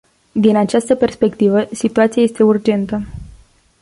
Din această perspectivă, situația este urgentă.